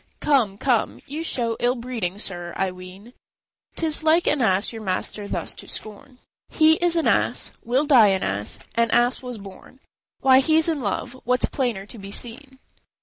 B. "Come, come, you show ill breeding, sir, I ween; 'Tis like an ass your master thus to scorn." R. He is an ass, will die an ass, an ass was born; Why, he's in love; what's plainer to be seen?"